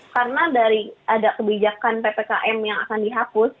karena dari ada kebijakan ppkm yang akan dihapus